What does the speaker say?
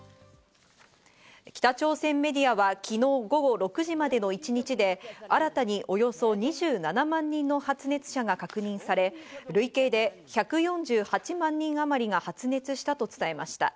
北朝鮮メディアは昨日、午後６時までの一日で新たにおよそ２７万人の発熱者が確認され、累計で１４８万人あまりが発熱したと伝えました。